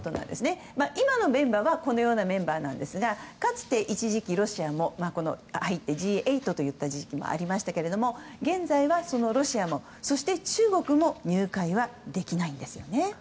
今のメンバーはこのようなメンバーですが一時期はロシアも入ってＧ８といっていた時期もありましたが現在は、ロシアも中国も入会はできないんですよね。